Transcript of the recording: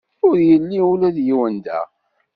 Ur yelli ula d yiwen da.